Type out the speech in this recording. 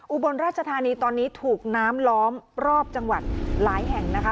อุบลราชธานีตอนนี้ถูกน้ำล้อมรอบจังหวัดหลายแห่งนะคะ